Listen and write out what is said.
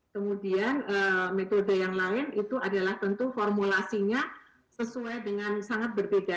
kemudian metode yang lain itu adalah tentu formulasinya sesuai dengan sangat berbeda